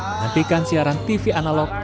menantikan siaran tv analog